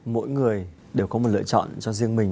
mỗi người đều có một lựa chọn cho riêng mình